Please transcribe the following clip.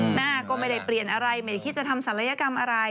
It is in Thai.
หน้าก็ไม่ได้เปลี่ยนอะไรไม่ได้คิดจะทำศัลยกรรมอะไร